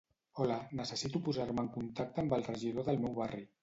Hola, necessito posar-me en contacte amb el regidor del meu barri.